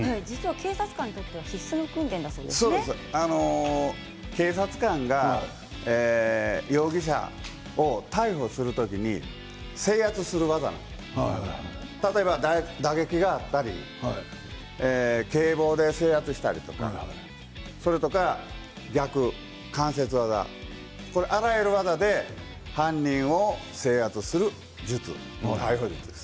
警察官にとっては警察官が容疑者を確保する時に制圧する技例えば打撃があったり警棒で制圧したりとかそれとか逆関節技あらゆる技で犯人を制圧する術です。